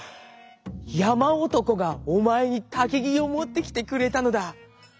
やまおとこがおまえにたきぎをもってきてくれたのだ。